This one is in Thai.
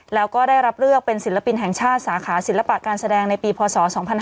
แล้วก็ได้รับเลือกเป็นศิลปินแห่งชาติสาขาศิลปะการแสดงในปีพศ๒๕๕๙